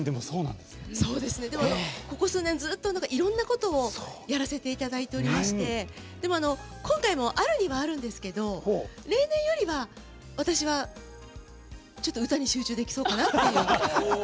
ここ数年、ずっといろんなことをやらせていただいてもらいましてでも、今回もあるにはあるんですけど例年よりは私はちょっと歌に集中できそうかなという。